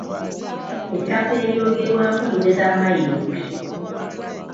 Ettaka eryogerwako liweza mayiro bbiri.